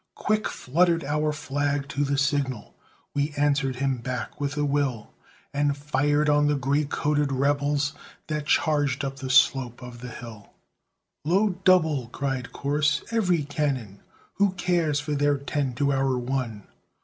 Quick fluttered our flag to the signal, We answered him back with a will, And fired on the gray coated rebels That charged up the slope of the hill. "Load double," cried Corse, "every cannon; Who cares for their ten to our one?"